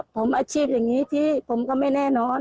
ผมอาชีพอย่างนี้ที่ผมก็ไม่แน่นอน